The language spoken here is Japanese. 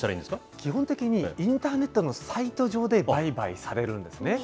基本的にインターネットのサイト上で売買されるんですね。